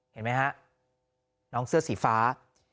เห็นไหมฮะน้องเสื้อสีฟ้า